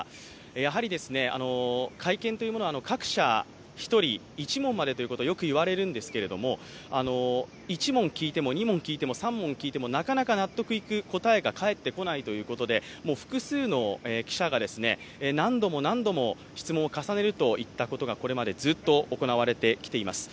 やはり、会見というものは各社１人１問までといわれるんですが１問聞いても２問聞いても３問聞いてもなかなか納得いく答えが返ってこないということで、複数の記者が何度も何度も質問を重ねるということが、これまでずっと行われてきています。